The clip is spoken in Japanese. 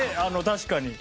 確かに。